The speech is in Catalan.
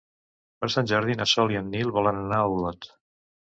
Per Sant Jordi na Sol i en Nil volen anar a Olot.